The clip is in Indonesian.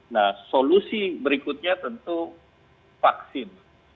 nah solusi berikutnya tentu vaksin